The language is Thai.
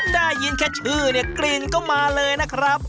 ได้ยินแค่ชื่อเนี่ยกลิ่นก็มาเลยนะครับ